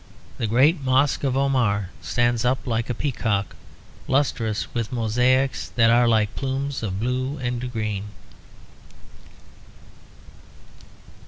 The great Mosque of Omar stands up like a peacock, lustrous with mosaics that are like plumes of blue and green.